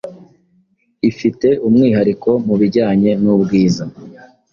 ifite umwihariko mu bijyanye n’ubwiza ...